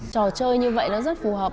trò chơi như vậy nó rất phù hợp